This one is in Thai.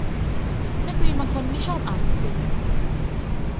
นักเรียนบางคนไม่ชอบอ่านหนังสือ